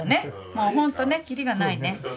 もうほんとねキリがないね。